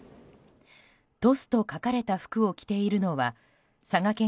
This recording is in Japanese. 「トス」と書かれた服を着ているのは佐賀県